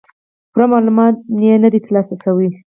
پوره معلومات نۀ دي تر لاسه شوي